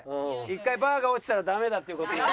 １回バーが落ちたらダメだっていう事で。